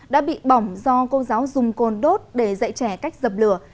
đã bị bỏng do cô giáo dùng cồn đốt để dạy trẻ cách dập lửa